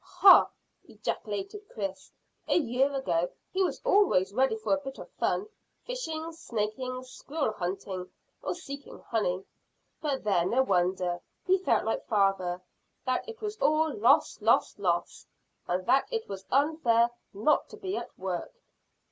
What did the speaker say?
"Hah!" ejaculated Chris. "A year ago he was always ready for a bit of fun, fishing, snaking, squirrel hunting, or seeking honey. But there, no wonder; he felt like father, that it was all lose, lose, lose, and that it was unfair not to be at work."